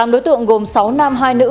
tám đối tượng gồm sáu nam hai nữ